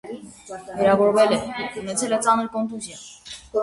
Վիրավորվել է, ունեցել է ծանր կոնտուզիա։